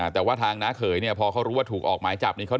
แต่ว่าทางน้าเขยพอเขารู้ว่าถูกออกหมายจับ